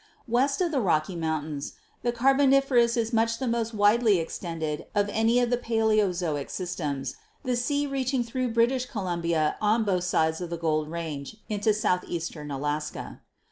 West of the Rocky Mountains the Carboniferous HISTORICAL GEOLOGY 219 is much the most widely extended of any of the Paleozoic systems, the sea reaching through British Columbia on both sides of the Gold Range into southeastern Alaska.